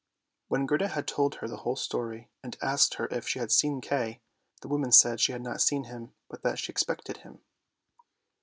When Gerda had told her the whole story, and asked her if she had seen Kay, the woman said she had not seen him, but that she expected him.